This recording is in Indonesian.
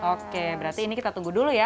oke berarti ini kita tunggu dulu ya